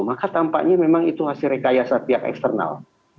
maka tampaknya memang itu hasil rekayasa pihak eksternal